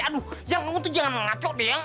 aduh yang kamu tuh jangan ngaco deh yang